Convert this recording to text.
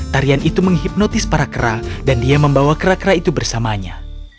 tarian itu menghipnotis para kera dan dia membawa kera kera itu bersamanya